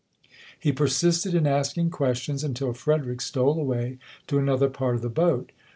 He persisted in asking questions until Frederick stole away to another part of the boat.